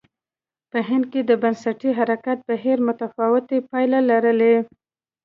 په هند کې د بنسټي حرکت بهیر متفاوتې پایلې لرلې.